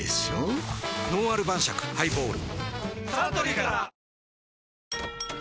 「のんある晩酌ハイボール」